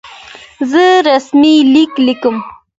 زه رسمي لیک لیکم.